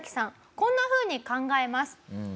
こんなふうに考えます。